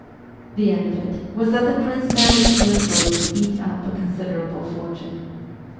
The end of it was that the prince managed literally to eat up a considerable fortune.